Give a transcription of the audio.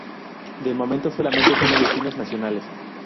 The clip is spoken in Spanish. De momento solamente tiene destinos nacionales.